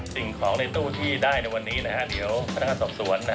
สิ่งของในตู้ที่ได้ในวันนี้หรือบัญชีศอบสวน